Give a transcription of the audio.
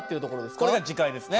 これが磁界ですね。